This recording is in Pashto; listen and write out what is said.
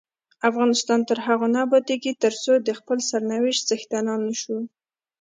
افغانستان تر هغو نه ابادیږي، ترڅو د خپل سرنوشت څښتنان نشو.